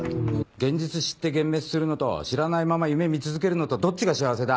現実知って幻滅するのと知らないまま夢見続けるのとどっちが幸せだ？